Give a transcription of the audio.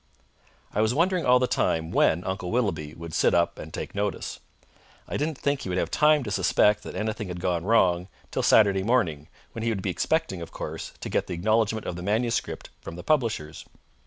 I was wondering all the time when Uncle Willoughby would sit up and take notice. I didn't think he would have time to suspect that anything had gone wrong till Saturday morning, when he would be expecting, of course, to get the acknowledgment of the manuscript from the publishers.